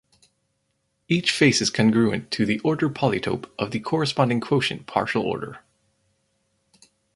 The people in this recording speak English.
Each face is congruent to the order polytope of the corresponding quotient partial order.